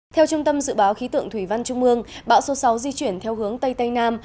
theo trung tâm dự báo khí tượng thủy văn trung ương bão số sáu di chuyển theo hướng tây tây nam